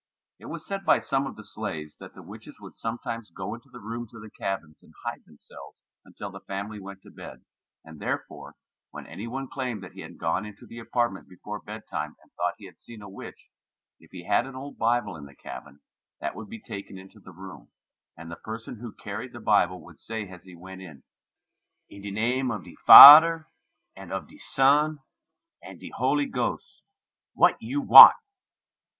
It was said by some of the slaves that the witches would sometimes go into the rooms of the cabins and hide themselves until the family went to bed and therefore when any one claimed that he had gone into the apartment before bed time and thought he had seen a witch, if he had an old Bible in the cabin, that would be taken into the room, and the person who carried the Bible would say as he went in, "In de name of de Fader and of de Son and de Holy Gos wat you want?"